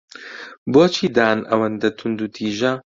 بۆچی دان ئەوەندە توندوتیژە؟